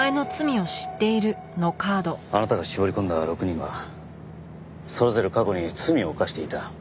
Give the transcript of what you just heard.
あなたが絞り込んだ６人はそれぞれ過去に罪を犯していた。